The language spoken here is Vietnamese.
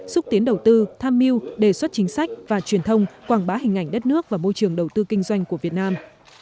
xúc tiến đầu tư tham mưu đề xuất chính sách và truyền thông quảng bá hình ảnh đất nước và môi trường đầu tư kinh doanh của việt nam